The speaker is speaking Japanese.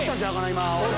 今。